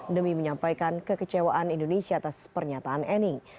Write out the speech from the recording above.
demi menyampaikan kekecewaan indonesia atas pernyataan eni